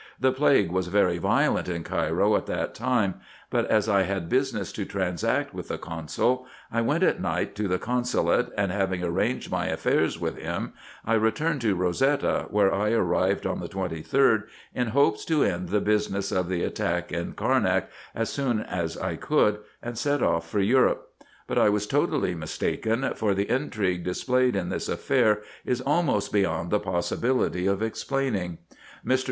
The plague was very violent in Cairo at that time ; but as I had business to transact with the consul, I went at night to the consulate, and having arranged my affairs with him, I returned to Eosetta, where I arrived on the 23d, in hopes to end the business of the attack in Carnak, as soon as I could, and set off for Europe. But I was totally mistaken, for the intrigue displayed in this affair is almost beyond the possibility of explaining. Mr.